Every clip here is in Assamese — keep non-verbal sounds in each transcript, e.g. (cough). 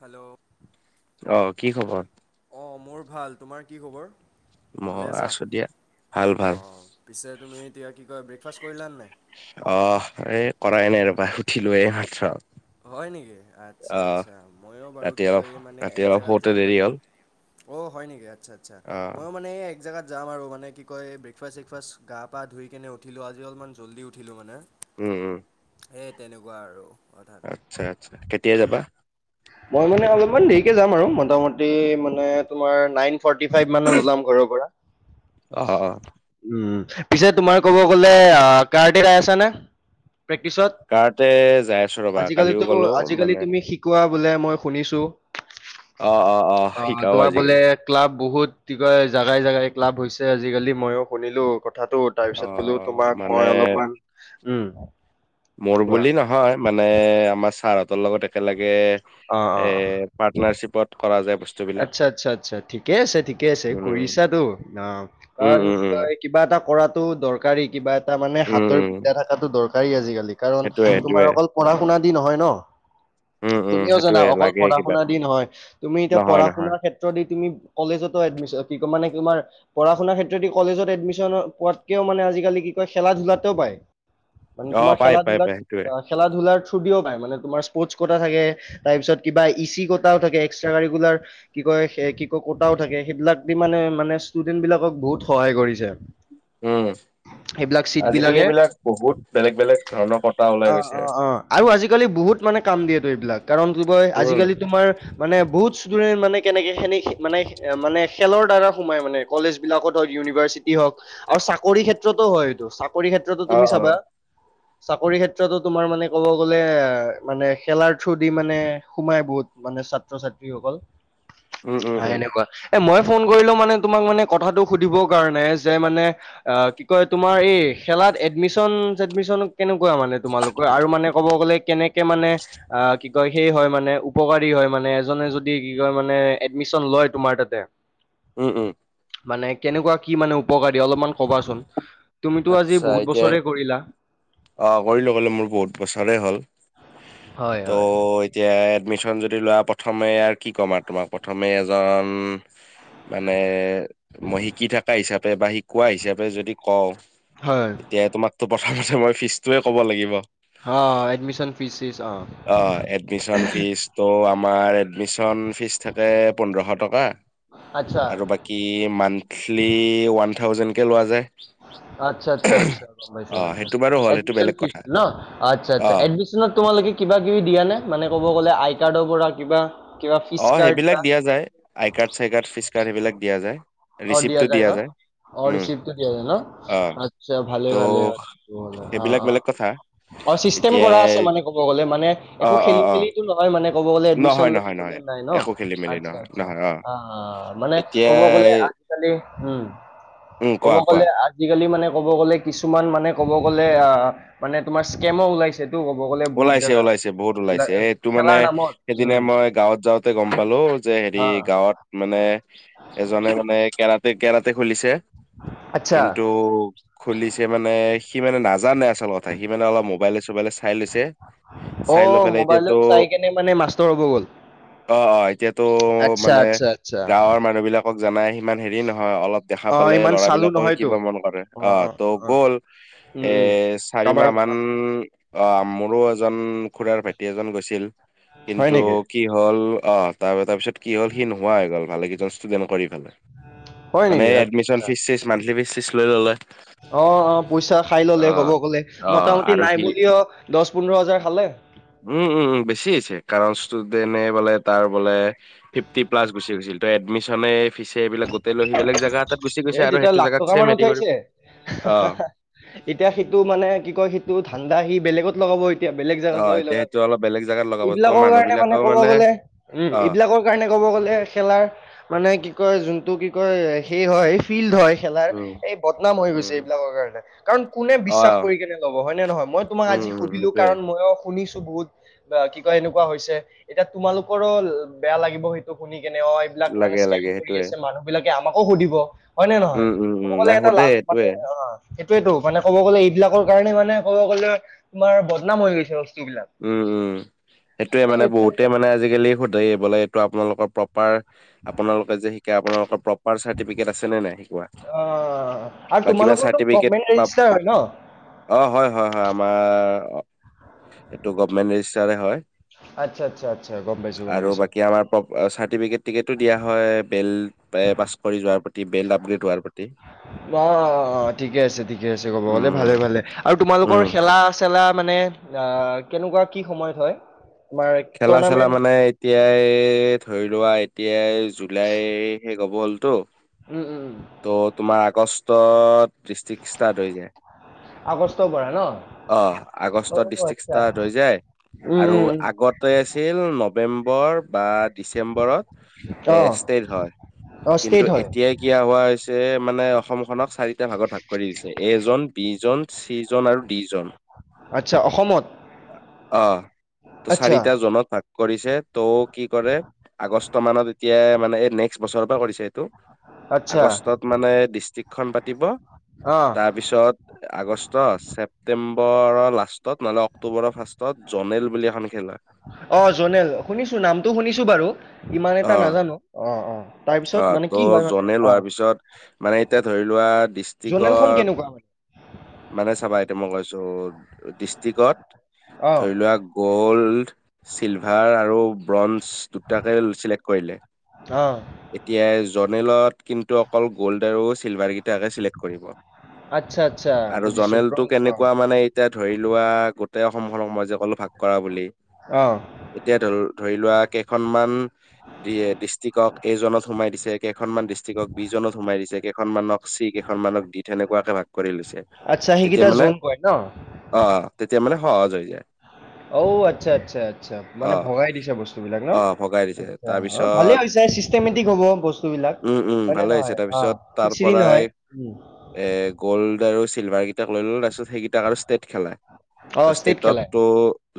হেল্ল'? অ'! কি খবৰ? অ'! মোৰ ভাল। তোমাৰ কি খবৰ? মই ভালে আছা আছোঁ দিয়া, ভাল-ভাল। অঁ পিছে, তুমি এতিয়া, কি কয়! ব্ৰেকফাষ্ট কৰিলা নাই? অ'! এই, কৰাই নাই ৰ'বা, উঠিলোৱে এই মাত্ৰ। হয় নেকি আচ্ছা, অহ আচ্ছা মইো বাৰু ৰাতি কি অলপ কয় মানে ৰাতি এক অলপ জেগাত শুতে যাম দেৰি মানে হ'ল। অ' হয় নেকি আচ্ছা, আচ্ছা অ' ময়ো মানে এক জেগাত যাম আৰু মানে কি কয় ব্ৰেকফাষ্ট-চেকফাষ্ট গা পা ধুই কিনে উঠিলো আজি অলপমান জল্দি উঠিলো মানে। উম, উম। সেই তেনেকুৱা আৰু মানে আচ্ছা, আচ্ছা কেতিয়া যাবা। মই মানে অলপমান দেৰিকে যাম আৰু মোটামুটি মানে তোমাৰ নাইন ফৰ্টি ফাইভ মানত ওলাম ঘৰৰ পৰা। অ' অ' উম, পিছে তোমাৰ ক'ব গ'লে কাৰ্ডেটাই আছানে প্ৰেক্টিচত। কাৰাতে যাই আছো ৰবা কালিও আজিকালিতো, গ'লো আজিকালি মানে তুমি শিকোৱা এ‌ মই শুনিছো অ' অ' অ' শিকাও তোমাৰ বোলে আজিকালি। এ ক্লাব বহুত কি কয় জাগাই, জেগাই ক্লাব হৈছে। আজিকালি ময়োও শুনিলো কথাটোত। তাৰপিছত বোলো অ' তোমাক মানে মই অলপমান উম, মোৰ কোৱা বুলি নহয় মানে আমাৰ ছাৰহঁতৰ লগত একেলগে অ অ এ পাৰ্টনাৰশ্বিপত কৰা যায় বস্তু বোৰ। আচ্ছা, আচ্ছা, আচ্ছা ঠিকে আছে, ঠিকে আছে উম কৰিছাতো অ' উম উম কাৰণ উম কি উম কয় কিবা এটা কৰাতটো দৰকাৰী কিবা এটা মানে হাতৰ উম বিদ্যা থাকে তাতো দৰকাৰী আজিকালি কাৰণ সেইটোয়ে তোমাৰ সেইটোয়ে। অকল পঢ়া শুনা দি নহয় ন। উম, উম, তুমিও জানা সেইটোয়ে অকল লাগে পঢ়া কিবা শুনা এটা দি নহয়। তুমি এতিয়া নহয়, নহয় ক্ষেত্ৰত দি তুমি কলেজতো এডমিছৰ কি কম মানে তোমাৰ পঢ়া শুনা ক্ষেত্ৰত কি কলেজত এডমিশ্যনত পোৱাতকেও মানে আজিকালি কি কয় খেলা ধূলাটো পায়। মানে অ', তোমাৰ পাই, খেলা পাই, ধূলা, পাই সেইটোয়ে খেলা ধূলাৰ থ্ৰু দিও পায়, মানে তোমাৰ স্পৰ্টছ কটা থাকে। তাৰ পিছত কিবা ই চি কটাও থাকে। এক্সট্ৰা কাৰিকুলাৰ কি কয় সে কি কয় কোটাও থাকে। সেইবিলাক দি মানে, মানে ষ্টুডেন্ট বিলাকক বহুত সহায় কৰিছে। উম, সেইবিলাক চিট আজি কালি বিলাকে এইবিলাক বহুত বেলেগ, বেলেগ ধৰণৰ কথ অ'অ'অ আৰু আজিকালি বহুত মানে কাম দিয়েতো এইবিলাক কাৰণ কি কয় উম, আজিকালি তোমাৰ মানে বহুত ষ্টুডেন্ট মানে কেনেকে খেনে সি মানে মানে খেলৰ দ্বাৰা সোমাই মানে। কলেজ বিলাকত হয় ইউনিভাৰ্চিটি হওঁক আৰু চাকৰি ক্ষেত্ৰতো হয় এইটো। কৰি ক্ষেত্ৰতো অ তুমি অ চাবা চাকৰি ক্ষেত্ৰ এতিয়া তো তোমাৰ মানে ক'ব গ'লে মানে খেলাৰ থ্ৰু দি মানে সোমাই বহুত মানে চা ত্ৰ - ছাত্ৰীসকল উম, উম, হয় উম, এনেকুৱা। এ মই ফোন কৰিলো মানে তোমাক মানে কথাটো সুধিব কাৰণে যে মানে অ' কি কয় তোমাৰ এই খেলাত এডমিচন-ছেডমিচন কেনেকুৱা মানে। তোমালোকৰ আৰু মানে ক'ব গ'লে কেনেক কে মানে আহ কি কয় সেই হয় মানে উপকাৰী হয় মানে এজনে যদি কি কয় মানে এডমিচন লয় তোমাৰ তাতে উম, উম। মানে কেনেকুৱা কি মানে উপকাৰী অলপমান কবাচোন, তুমিতো আজি আচ্ছা বহুত এতিয়া বছৰে কৰিলা। অ' কৰিলো মানে মোৰ বহুত বছৰে হ'ল হয় ত হয় এতিয়া এডমিচন যদি লোৱা প্ৰথমে আৰু কি ক'ম আৰু তোমাক প্ৰথমে এজন মানে মই শিকি থাকা হিচাপে বা শিকোৱা হিচাপে যদি কও হয়। এতিয়া তোমাক তো প্ৰথমতে মই ফিচটোৱে ক'ব লাগিব। হ এডমিচন ফিচ ছিচ অ'। ত' আমাৰ এডমিচন ফিচ থাকে পোন্ধৰশ টকা আচ্ছা আৰু বাক কি মান্থলি ওৱান থাউজেণ্ডকে লোৱা যায়। আচ্ছা আচ্ছা আচ্ছা গম পাইছোঁ, অ', সেইটো বাৰু হ'ল সেইটো এডমিচন বেলেগ কথা। ফিচটো ন' অ' আচ্ছা আচ্ছা, অ', এডমি (unintelligible) তোমালোকে কিবা কিবি দিয়া নে মানে ক'ব গ'লে আই কাৰ্ডৰ পৰা কিবা। কিবা ফিজ অ' কাৰ্ড সেইবিলাক বা দিয়া যায়, আই কাৰ্ড চাই কাৰ্ড ফিচ কাৰ্ড সেইবিলাক দিয়া যায়, ৰিচিপটো দিয়া যায়। অ' উম, ৰিচিপটো দিয়া যায় অ', ন' আচ্ছা ভালে ত' ভালে অ' সেইবিলাক বেলেগ অ'। কথা। (unintelligible) অ' চিষ্টেম কৰা আছে এতিয়াই মানে ক'ব গ'লে মানে একো অ', খেলি অ', অ', মেলিতো ন' হয় মানে ক'ব গলে এডমিচন নহয়, নহয়, ল'বলে নহয় নাই ন' একো খেলি মেলি আচ্ছা নহয়, আচ্ছা নহয় অ'। মানে এতিয়া ক'ব গ'লে আজিকালি উম, উম, ক'ব কোৱা কোৱা। গ'লে আ আজিকালি মানে ক'ব গ'লে কিছুমান মানে ক'ব গ'লে আহ মানে আ, তোমাৰ স্কেমো ওলাইছে। সেইটো ক'ব গ'লে বহুত ওলাইছে জেগা ওলাইছে বহুত ওলাই ওলাইছে, এইটো মানে খেলাৰ নামত সেইদিনা উম মই গাঁৱত যাওঁতে গ'ম পালোঁ যে হেৰি হা গাঁৱত মানে এজনে মানে কেৰাতে কেৰাতে খুলিছে। আচ্ছা কিন্তু খুলিছে মানে সি মানে নাজানে আচল কথা সি মানে অলপ মোবাইলে চোবাইলে চাই লৈছে। চাই লৈ অ' পেলাই এতিয়াতো মোবাইলত চাই কেনে মানে মাষ্টৰ হ'ব গ'ল। অ', অ' এতিয়াতো আচ্ছা মানে আচ্ছা আচ্ছা গাঁৱৰ মানুহবিলাকক জানাই সিমান হেৰি নহয় অলপ দেখা অ পালে ইমান চালো ল'ৰাবিলাকে নহয়তো শিকিবা মন কৰে, অ' ত' গ'ল উম উম এ, কাৰোবাৰ চাৰিমাহ মান অ' মোৰো এজন খুৰাৰ ভাইটি এজন গৈছিল হয় কিন্তু নেকি কি হ'ল আহ, তাৰ তাৰপিছত কি হ'ল সি নোহোৱা হৈ গ'ল ভালে কেইজন ষ্টুডেন্ট কৰি পেলায়। হয় মানে নেকি এডমিচন ফিচ চিচ, মান্থলি ফিচ চিচ লৈ ল'লে। অ', অ' পইচা খাই ল'লে ক'ব অ'। গ'লে, অ' মোটামুটি আৰু নাই সি বুলি অ' দহ পোন্ধৰ হাজাৰ খালে। উম, উম, উম, বেছি হৈছে কাৰণ ষ্টোডেনে বোলে তাৰ বোলে ফিফটি প্লাচ গুচি গৈছিল ত' এডমিচনে ফিচে এইবিলাক গোটেই লৈ আহি বেলেগ জেগা এটাত গুচি এ গৈছে আৰু তেতিয়া সেইটো লাখ জোগাত টকা ছেম মান হেৰি কৰিব, উঠাইছে অ'। এতিয়া সেইটো মানে কি কয় সেইটো ধাণ্ডা সি বেলেগত লগাব। এতিয়া বেলেগ জোগাত অ' লৈ এতিয়া লগাব, সেইটো অলপ বেলেগ জাগাত লগাব ত' এইবিলাকৰ মানুহ কাৰণে মানে বিলাকেও ক'ব গ'লে উম, অ' এইবিলাকৰ সেই কাৰণে ক'ব গ'লে খেলাৰ মানে কি কয় যোনটো কি কয় সেই হয় ফিল্ড হয় খেলাৰ উম, এই বদনাম হৈ গৈছে উম, এইবিলাকৰ কাৰণে। কাৰণ কোনে বিশ্বাস অ' কৰি কেনে ল'ব হয় নে নহয়, মই তোমাক উম, আজি উম, সুধিলোঁ সেইটোয়ে কাৰণ ময়ো শুনিছোঁ বহুত। বা কি কয় এনেকুৱা হৈছে, এতিয়া তোমালোকৰো বেয়া লাগিব সেইটো শুনি কেনে অ' লাগে, লাগে। ফ্ৰি সেইটোয়ে। আছে মানুহবিলাকে আমাকো সুধিব হয় নে নহয়, উম, উম, ক'ব উম, গলে নাই এটা সোধে লাল মানে সেইটোয়ে অ' সেইটয়েতো মানে ক'ব গ'লে এইবিলাকৰ কাৰণে মানে ক'ব গ'লে তোমাৰ বদনাম হৈ গৈছে বস্তুবিলাক। উম, উম, সেইটোয়ে এই মানে সেইবিলাক বহুতেই মানে আজিকালি সোধে বোলে এইটো আপোনালোকৰ প্ৰব তোমাৰ আপোনালোকে যে শিকে আপোনালোকৰ প্ৰপাৰ চাৰ্টিফিকেট আছে নে নাই শিকোৱা। অ' আৰু বা কিবা তোমালোকৰটো চাৰ্টিফিকেট গভমেণ্ট বা ৰেজিষ্টাৰ হয় ন'। অ' হয়, হয়, হয়, আমাৰ টো গভমেন্ট ৰেজিষ্টাৰে হয়। আচ্ছা, আচ্ছা, আচ্ছ, গম পাইছোঁ গম পাইছোঁ। প্ৰ চাৰ্টিফিকেট টিকেটো দিয়া হয়, বেল পে পাছ কৰি যোৱাৰ প্ৰতি, বেল আপগ্ৰেড হোৱাৰ প্ৰতি। অ' অ' অ' ঠিকে আছে ঠিকে আছে ক'ব গ'লে উম, ভালে ভালে আৰু উম, তোমালোকৰ খেলা আছ খেলা মানে কেনেকুৱা কি সময়ত হয় তোমাৰ খেলা চেলা টুৰ্ণামেণ্ট মানে এতিয়াই ধৰি লোৱা এতিয়াই জুলাই শেষ হব হ'লতো উম, উম ত তোমাৰ আগষ্টত ডিষ্ট্ৰিক্ ষ্টাৰ্ট হৈ যায় আগষ্টৰ পৰা ন অহ অ আগষ্টত ডিষ্ট্ৰিক আচ্ছা ষ্টাট হৈ যায় উম উম আৰু উম আগতে আছিল নৱেম্বৰ বা ডিচেম্বৰত এ অ ষ্টেট হয় অ কিন্তু ষ্টেট হয় এতিয়াই কিয়া হোৱা হৈছে মানে অসমখনক চাৰিটা ভাগত ভাগ কৰি দিছে এজন বি জন চিজন আৰু ডি জন আচ্ছা অসমত অহ ত চাৰি আচ্ছা জোনত ভাগ কৰিছে ত কি কৰে আগষ্ট মানত এইট এতিয়া মানে এই নেক্সট বছৰৰ পৰা কৰিছে এইটো আচ্ছা আগষ্টত মানে ডিষ্ট্ৰিক্ট খন পাতিব অহ তাৰপিছত আগষ্ট ছেপ্তেম্বৰৰ লাষ্টত নহ'লে অক্টোবৰৰ ফাৰ্ষ্টত জনেল বুলি এখন খেলা অহ জনেল শুনিছো নামটো শুনিছো বাৰু ইমান এটা অ'। নাজানো অহ অহ তাৰপিছত অ', মানে ত' কি হয় মানে জনে অহ লোৱাৰ পিছত মানে এতিয়া ধৰি লোৱা ডিষ্ট্ৰিকত কেনেকুৱা মানে? মানে চাবা এতিয়া মই কৈছো ডিষ্ট্ৰিকত অ', ধৰি লোৱা গোল্ড চিলভাৰ আৰু ব্ৰঞ্জ দুটাকে চিলেক্ট কৰিলে অ', এতিয়া জনেলত কিন্তু অকল গ'ল্ড আৰু চিলভাৰ দুটাকে চিলেক্ট কৰিব আচ্ছা আচ্ছা আৰু বুজিছো জনেলটো ব্ৰঞ্জ অ', কেনেকুৱা মানে এতিয়া ধৰি লোৱা গোটেই অসমখনক মই যে কলো ভাগ কৰা বুলি অ', এতিয়া ধৰ ধৰি লোৱা কেইখনমান দিয়ে ডিষ্ট্ৰিক্টক এ জনত সোমাই দিছে কেইখনমান ডিষ্ট্ৰিকক বি জনত সোমাই দিছে কেইখনমানক চি কেইখনমানক দি তেনেকুৱাকে ভাগ কৰি লৈছে আচ্ছা সেইকেইটা জোন কয় ন অহ তেতিয়া মানে সহজ হৈ যায় অঔ আচ্ছা আচ্ছা আচ্ছা মানে অ ভগাই দিছে বস্তু বিলাক ন অ ভগাই দিছে অ ভালে তাৰপিছত হৈছে চিষ্টেমেটিক হ'ব বস্তুবিলাক উম উম হয়নে ভালে হৈছে নহয়? অ', তাৰপিছত তাৰ খিচিৰি নহয়। পৰাই উম। এ গ'ল্ড আৰু চিলভাৰ কেইটাক লৈ ললে তাৰপিছত সেইকেইটাক আৰু ষ্টেট খেলাই ত অ', ষ্টেট খেলাই। ষ্টেটতটো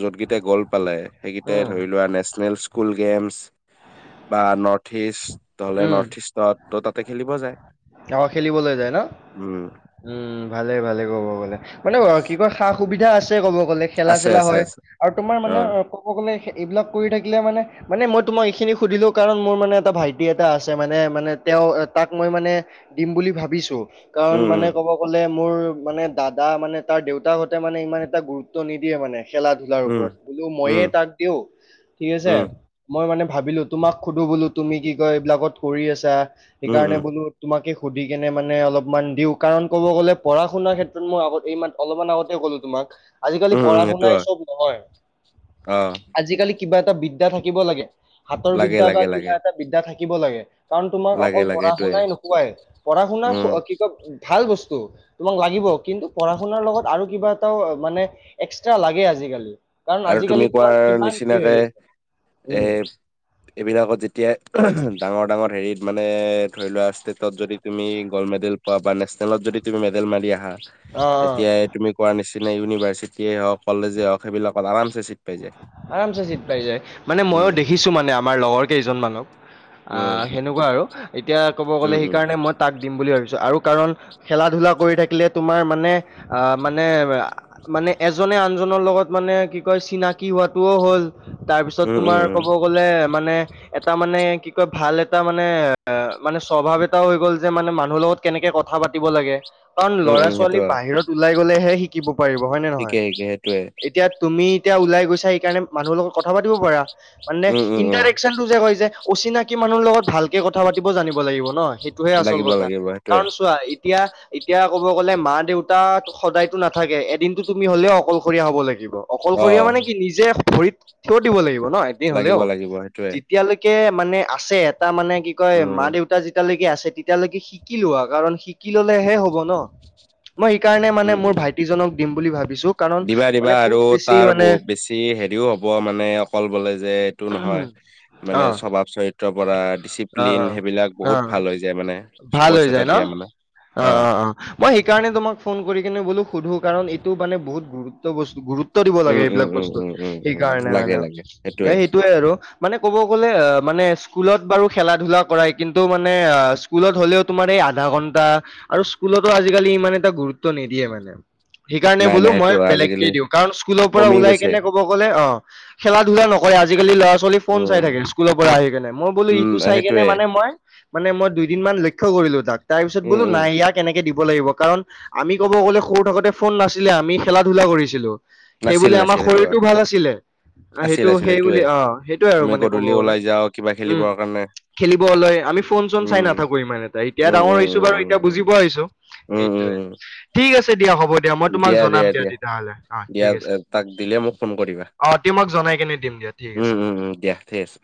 যত গিটাই গ'ল্ড পালে সেইকেটাই উম, ধৰি লোৱা নেচনেল স্কুল গেমচ বা নৰ্থ ইষ্ট দলে উম, নৰ্থ ইষ্টত ত তাতে খেলিব যায় অ', খেলিবলৈ যায় ন? উম উম ভালে ভালে ক'ব গ'লে মানে কি কয় সা সুবিধা আছে ক'ব গ'লে খেলা আছে চেলা আছে হয় আছে আৰু তোমাৰ মানে অ তো কব গ'লে এইবিলাক কৰি থাকিলে মানে মানে তোমাক এইখিনি সুধিলোঁ কাৰণ মোৰ মানে টা ভাইটি এটা আছে মানে মানে তেওঁ তাক মই মানে দিম বুলি ভাবিছোঁ কাৰণ মানে উম ক'ব গ'লে মোৰ মানে দাদা মানে তাৰ দেউতাক সঁতে মানে ইমান এটা গুৰুত্ব নিদিয়ে মানে খেলা ধূলাৰ উম ওপৰত বোলো উম মইয়ে তাক দিওঁ ঠিক আছে উম মই মানে ভাবিলো তোমাক সোধো বোলো তুমি কি কয় এইবিলাকত কৰি আছা উম উম সেইকাৰণে উম বুলো তোমাকে সুধি কেনে মানে অলপমান দিওঁ কাৰণ ক'ব গ'লে পঢ়া শুনাৰ ক্ষেত্ৰত মই আগত ইমান অলপ মান আগতে কলো তোমাক আজিকালি উম উম পঢ়া সেইটো শুনাই হয় চব নহয় অ আজিকালি কিবা এটা বিদ্যা থাকিব লাগে হাতৰ লাগে বিদ্যা বা লাগে লাগে অ'বিদ্যা থাকিব লাগে কাৰণ তোমাক লাগে অকল লাগে সেইটোয়ে পঢ়া-শুনাই নোখোৱাই পঢ়া-শুনা উম কি কয় ভাল বস্তু তোমাক লাগিব কিন্তু পঢ়া-শুনাৰ লগত আৰু কিবা এটাও মানে এক্সট্ৰা লাগে আজিকালি। কাৰণ আৰু আজিকালি তুমি কোৱা তোমাৰ কিমান কি হৈ নিচিনাকে গৈছে এ উম এইবিলাকত যেতিয়া ডাঙৰ, ডাঙৰ হেৰিত মানে ধৰি লোৱা ষ্টেটত যদি তুমি গ'ল্ড মেডেল বা-বা নেচনেলত যদি তুমি মেডেল মাৰি আহা অ অ তেতিয়াই তুমি কোৱা নিচিনা ইউনিভাৰ্চিটিয়ে হওঁক কলেজে হওঁক সেইবিলাক তাত আৰামচে চিট পাই যায়। আৰামচে চিট পাই যায় মানে মইয় উম দেখিছো মানে আমাৰ লগৰ কেইজন মানক আ, উম সেনো কুৱা আৰু এতিয়া ক'ব গ'লে উম সেইকাৰণে মই তাক দিম বুলি ভাবিছো আৰু কাৰণ খেলা-ধূলা কৰি থাকিলে তোমাৰ মানে অ' মানে, মানে এজনে আনজনৰ লগত মানে কি কয় চিনাক কি হোৱাটোও হ'ল তাৰপিছত উম উম উম উম তোমাৰ ক'ব গ'লে মানে এটা মানে কি কয় ভাল এটা মানে এ মানে স্বভাৱ এটা হৈ গ'ল যে মানে মানুহৰ লগত কেনেকে কথা পাতিব লাগে, কাৰণ উম উম ল'ৰা- সেইটো ছোৱালীক হয় বাহিৰত ওলাই গলেহে শিকিব পাৰিব হয় নে নহয় ঠিকে ঠিকে সেইটোয়ে এতিয়া তুমি এতিয়া ওলাই গৈ ছা সেইকাৰণে মানুহৰ লগত কথা পাতিব পাৰা মানে উম উম উম ইণ্টাৰেকচন টো যে হয় যে অচিনাকি মানুহৰ লগত ভালকে কথা পাতিব জানিব লাগিব ন' সেইটোহে আচল লাগিব কথা লাগিব সেইটোয়ে কাৰণ চোৱা এতিয়া এতিয়া ক'ব গ'লে মা-দেউতা সদায়তো নাথাকে এদিনতো তুমি হ'লেও অকলশৰীয়া হ'ব লাগিব ব অ অকলশৰীয়া মানে কি নিজে ভৰিত থিয় দিব লাগিব ন'এদিন লাগিব হলেওঁ লাগিব সেইটোয়ে যেতিয়ালৈক কে মানে আছে এটা মানে কি কয় উম মা-দেউ তা যেতিয়ালৈকে আছে তেতিয়ালৈকে শিকিলোৱা কাৰণ শিকি ল'লেহে হ'ব ন'। মই সেইকাৰণে মানে উম মোৰ উম ভাইটি জনক দিম বুলি ভাবিছো। কাৰণ দিবা, দিবা মানে খুব আৰু বেছি তাৰ মানে বহুত বেছি হেৰিও হব ব মানে অকল বলে যে এইটো নহয়। অ অ মানে স্বভাৱ চৰিত্ৰৰ পৰা অ ডিচিপ্লিন সেইবিলাক অ বহুত ভাল হৈ যায় মানে। ভাল স্পৰ্টছ হৈ এটাত যায় ন, দিয়া মানে অ অ'অ'অ'। মই সেইকাৰণে তোমাক ফোন কৰি কিনে বোলো সোধো কাৰণ এইটো মানে বহুত গুৰুত্ব বস্তু গুৰুত গুৰুত্ব দিব লাগে উম উম এইবিলাক উম বস্তুত উম উম উম সেইকাৰণে লাগে মানে লাগে এই সেইটোয়ে আৰু। মানে ক'ব গ'লে অ' মানে স্কুলত বাৰু খেলা- ধূলা কৰাই কিন্তু মানে আচ স্কুলত হ'লেও তোমাৰ এই আধা ঘণ্টা আৰু স্কুলতো আজিকালি ইমান এটা গুৰুত্ব নিদিয়ে মানে। সেইকাৰণে নাই বোলো নাই মই সেইটো বেলেগকে আজিকালি দিওঁ। কাৰণ স্কুলৰ পৰা কমি ওলাই গৈছে কেনে ক'ব ক'ব গলে অ' খেলা-ধূলা নকৰে আজিকালি ল'ৰা-ছোৱালী ফোন চাই উম থাকে স্কুলৰ পৰা আহি কিনে মই বোলো উম ইটো চাই কেনে সেইটোয়ে মানে মই মানে মই দুই দুদিন মান লক্ষ্য কৰিলো তাক তাৰ পিছত উম বোলো উম নাই ইয়াক এনেকে দিব লাগিব কাৰণ আমি ক'ব গ'লে সৰু থাকোতে ফোন নাছিলে আমি খেলা-ধূলা কৰিছিলোঁ। নাছিল সেইবুলি আমাৰ নাছিল সেইটো শৰীৰটো ভাল আছিলে। আ, আছিল সেইটো আছিল সেই সেইটোয়ে বুলি অ' সেইটোয়ে আৰু আমি মানে ক'ব গধূলি গ'লে ওলাই যাওঁ কিবা উম। খেলিবৰ কাৰণে খেলিব ওলাই আমি ফোন চোন চাই উম লাভ থাকো ইমান এটা, এতিয়া উম, ডাঙৰ উম, হৈছো বাৰু উম, উম, এতিয়া উম, বুজি পোৱা হৈছো উম, উম, এইটোয়ে ঠিক আছে দিয়া হ'ব দিয়া মই তোমাক জনাম দিয়া তেতিয়াহলে অ' দিয়া, ঠিক আছে এ, তাক দিলে মোক ফোন কৰিবা। অ' (unintelligible) জনাই কেনে দিম দিয়া। ঠিক আছে। উম, উম, উম দিয়া ঠিক আছে।